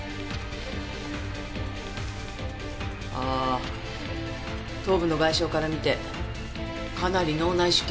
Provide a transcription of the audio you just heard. ああ頭部の外傷から見てかなり脳内出血してそうね。